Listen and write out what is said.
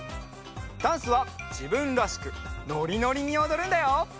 ダンスはじぶんらしくノリノリにおどるんだよ。